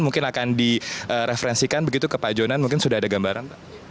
mungkin akan direferensikan begitu ke pak jonan mungkin sudah ada gambaran